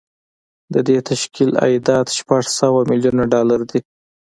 د دې تشکیل عایدات شپږ سوه میلیونه ډالر دي